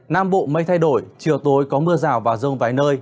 nam bộ mây thay đổi chiều tối có mưa rào và rông vài nơi